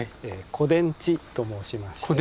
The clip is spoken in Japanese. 古殿地と申しまして。